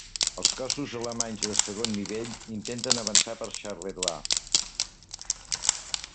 Els cossos alemanys de segon nivell intenten avançar per Charleroi.